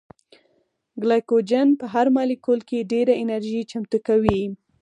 ګلایکوجن په هر مالیکول کې ډېره انرژي چمتو کوي